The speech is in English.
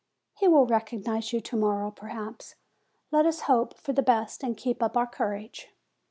"He will recognize you to morrow, perhaps. Let us hope for the best and keep up our courage."